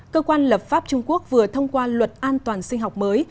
cơ quan lập pháp trung quốc vừa thông qua luật an toàn sinh học mới